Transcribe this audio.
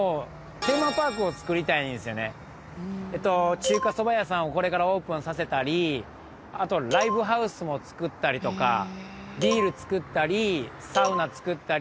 中華そば屋さんをこれからオープンさせたりあとライブハウスも作ったりとかビール作ったりサウナ作ったり。